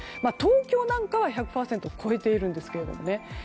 東京なんかは１００％を超えているんですけれどもね。